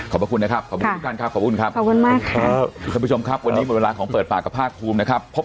ขอบคุณนะครับขอบคุณทุกท่านครับ